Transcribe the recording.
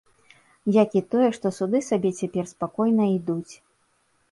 Як і тое, што суды сабе цяпер спакойна ідуць.